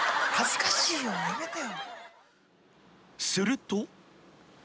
［すると］